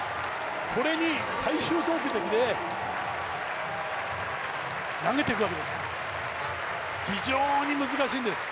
これに最終投てきで投げていくわけです。